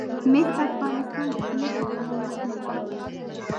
مس د افغانستان د ځمکې د جوړښت نښه ده.